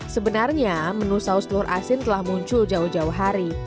sebenarnya menu saus telur asin telah muncul jauh jauh hari